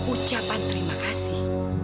ucapan terima kasih